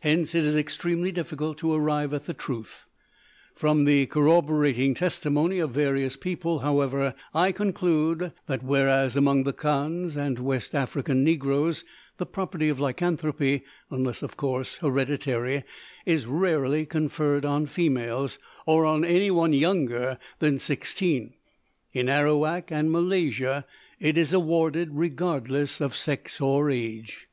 Hence it is extremely difficult to arrive at the truth. From the corroborating testimony of various people, however, I conclude that whereas among the Kandhs and West African negroes the property of lycanthropy (unless, of course, hereditary) is rarely conferred on females, or on anyone younger than sixteen, in Arawak and Malaysia it is awarded regardless of sex or age.